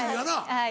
はい。